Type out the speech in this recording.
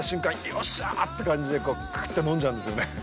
よっしゃーって感じでクーっと飲んじゃうんですよね。